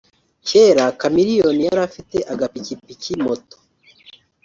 “Kera Chameleone yari afite agapikipiki(moto)